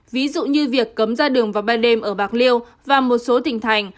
ví dụ như việc cấm ra đường vào ban đêm ở bạc liêu và một số tỉnh thành